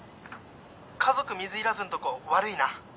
「家族水入らずんとこ悪いな」